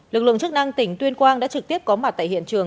lực lượng chức năng tỉnh tuyên quang đã trực tiếp có mặt tại hiện trường